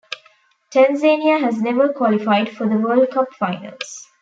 Tanzania has never qualified for the World Cup finals.